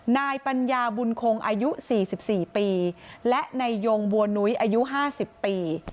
นายปัญญาบุญคงอายุ๔๔ปีและนายยงบัวนุ้ยอายุ๕๐ปี